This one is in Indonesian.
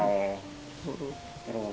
jadi gitu gus